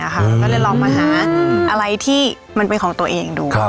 ก็เลยลองมาหาอะไรที่มันเป็นของตัวเองดู